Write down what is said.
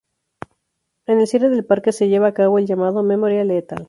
En el cierre del parque, se lleva a cabo el llamado "Memoria letal".